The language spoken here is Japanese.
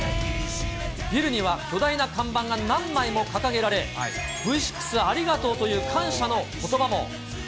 ビルには巨大な看板が何枚も掲げられ、Ｖ６ありがとうという感謝のことばも。